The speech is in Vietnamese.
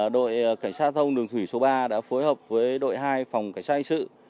đội cảnh sát giao thông đường thủy số ba đã phối hợp với đội hai phòng cảnh sát hình sự